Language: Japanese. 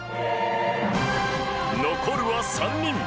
残るは３人。